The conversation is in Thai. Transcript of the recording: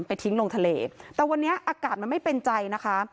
ทิ้งลงทะเลแต่วันนี้อากาศมันไม่เป็นใจนะคะ